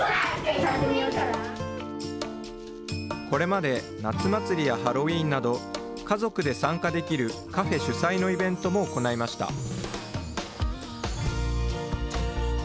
これまで、夏祭りやハロウィーンなど、家族で参加できるカフェ主催のイベントも行いました。